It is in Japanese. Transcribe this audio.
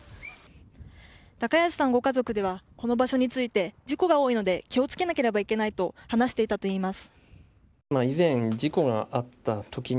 高安さんご家族はこの場所について事故が多いので気を付けなければいけないと話していたといいます。